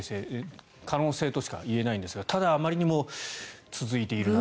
可能性としか言えないんですがただ、あまりにも続いているなと。